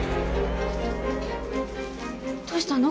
どうしたの？